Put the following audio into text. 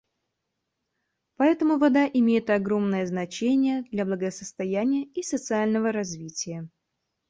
Поэтому вода имеет огромное значение для благосостояния и социального развития.